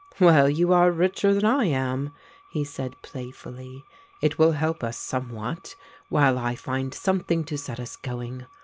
"Well, you are richer than I am," he said playfully. "It will help us somewhat, while I find something to set us going.